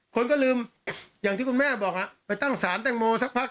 คนก็ลืมอย่างที่คุณแม่บอกไปตั้งสารแตงโมสักพัก